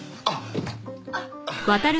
あっ。